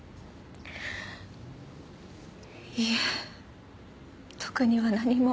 いいえ特には何も。